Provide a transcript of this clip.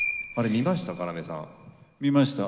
見ました。